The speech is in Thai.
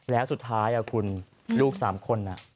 และสุดท้ายลูก๓คนน่ะ